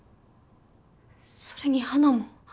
それに花も。